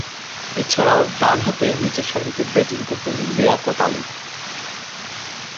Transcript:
এছাড়াও, ডানহাতে নিচেরসারিতে ব্যাটিং করতেন লিয়াকত আলী।